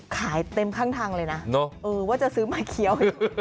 เต็มข้างทางเลยนะว่าจะซื้อมาเคี้ยว